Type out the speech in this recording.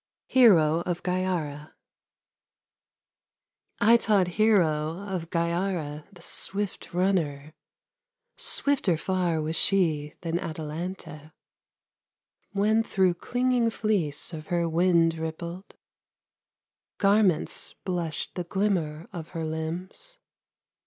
HERO, OF GYARA I taught Hero, of Gyara, the swift runner; Swifter far was she than Atalanta, When through clinging fleece of her wind rippled Garments blushed the glimmer of her limbs.